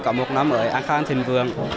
có một năm mới an khang thịnh vườn